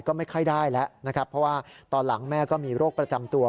ก็ไม่ค่อยได้แล้วนะครับเพราะว่าตอนหลังแม่ก็มีโรคประจำตัว